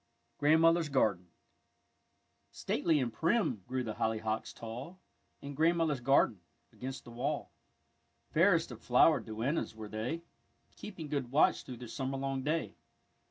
GRANDMOTHER'S GARDEN Stately and prim grew the hollyhocks tall, In grandmother's garden against the wall; Fairest of flower duennas were they, Keeping good watch through the long summer day.